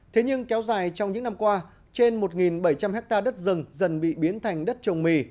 thế nhưng kéo dài trong những năm qua trên một bảy trăm linh hectare đất rừng dần bị biến thành đất trồng mì